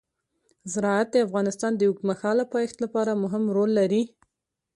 زراعت د افغانستان د اوږدمهاله پایښت لپاره مهم رول لري.